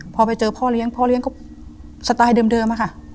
พอไปเจอพ่อเลี้ยงพ่อเลี้ยงก็สไตล์เดิมอะค่ะ